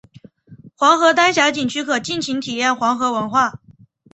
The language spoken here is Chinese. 黄河丹霞景区可尽情体验黄河文化。